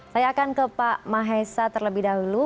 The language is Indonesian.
saya akan ke pak mahesa terlebih dahulu